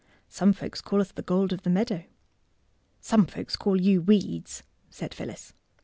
Some folks call us the gold of the meadow." '' Some folks call you weeds," said Phyllis.